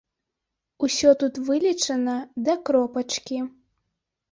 Усё тут вылічана да кропачкі.